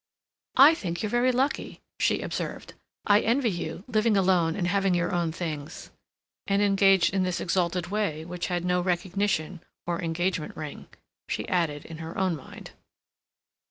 "I think you're very lucky," she observed. "I envy you, living alone and having your own things"—and engaged in this exalted way, which had no recognition or engagement ring, she added in her own mind.